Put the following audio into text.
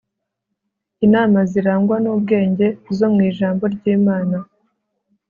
inama zirangwa n ubwenge zo mu Ijambo ry Imana